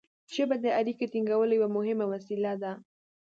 ژبه د اړیکې ټینګولو یوه مهمه وسیله ده.